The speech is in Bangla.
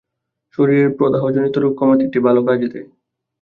শরীরের প্রদাহজনিত রোগ কমাতে এটি ভালো কাজে দেয়।